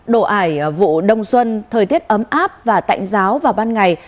đổ ải vụ đông xuân thời tiết ấm áp và tạnh giáo vào ban ngày